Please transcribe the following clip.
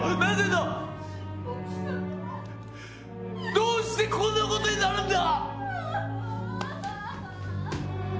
どうしてこんな事になるんだ！